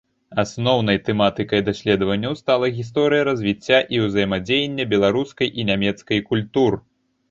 Асноўнай тэматыкай даследаванняў стала гісторыя развіцця і ўзаемадзеяння беларускай і нямецкай культур.